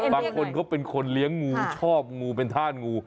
บางคนเขาเป็นคนเลี้ยงงูชอบงูเป็นธาตุงู